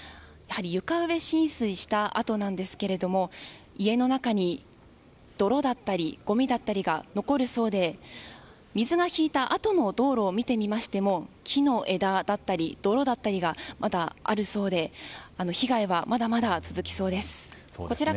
床上浸水したあとなんですが家の中に泥だったりごみだったりが残るそうで水が引いたあとの道路を見てみましても木の枝だったり泥だったりがまだあるそうで被害はまだまだ続きそうです。